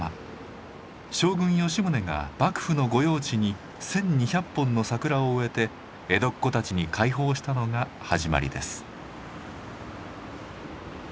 将軍吉宗が幕府の御用地に１，２００本の桜を植えて江戸っ子たちに開放したのが始まりです。